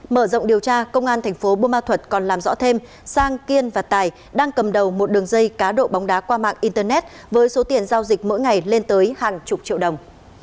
mở rộng điều tra công an thành phố bô ma thuật còn làm rõ thêm sang kiên và tài đang cầm đầu một đường dây cá độ bóng đá qua mạng internet với số tiền giao dịch mỗi ngày lên tới hàng chục triệu đồng